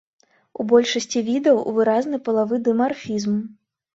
У большасці відаў выразны палавы дымарфізм.